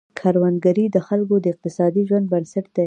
کروندګري د خلکو د اقتصادي ژوند بنسټ دی.